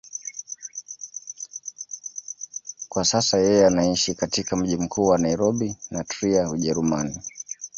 Kwa sasa yeye anaishi katika mji mkuu wa Nairobi na Trier, Ujerumani.